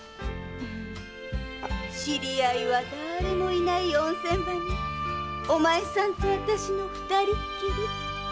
知り合いはだれもいない温泉場におまえさんとあたしの二人っきり。